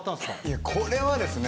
いやこれはですね